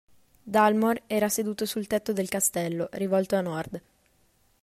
Dalmor era seduto sul tetto del castello, rivolto a nord.